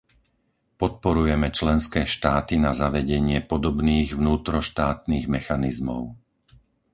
Podporujeme členské štáty na zavedenie podobných vnútroštátnych mechanizmov .